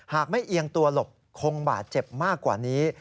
หากไม่เอียงตัวหลบคงบาดเจ็บมากกว่านี้